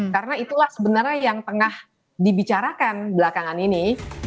karena itulah sebenarnya yang tengah dibicarakan belakangan ini